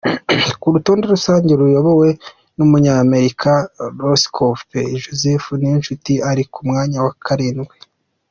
Ku rutonde rusange ruyobowe n’Umunyamerika Rosskopf Joseph, Niyonshuti ari ku mwanya wa karindwi.